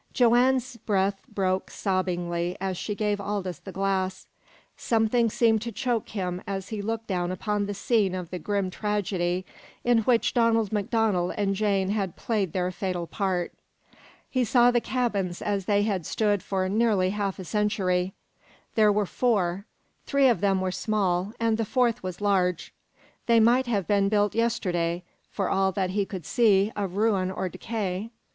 Joanne's breath broke sobbingly as she gave Aldous the glass. Something seemed to choke him as he looked down upon the scene of the grim tragedy in which Donald MacDonald and Jane had played their fatal part. He saw the cabins as they had stood for nearly half a century. There were four. Three of them were small, and the fourth was large. They might have been built yesterday, for all that he could see of ruin or decay.